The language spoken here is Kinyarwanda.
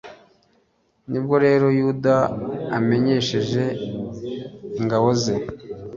ni bwo rero yuda amenyesheje ingabo ze